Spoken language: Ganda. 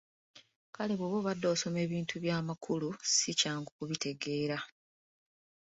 Kale bw’oba obadde osoma bintu byamakulu si kyangu kubitegeera .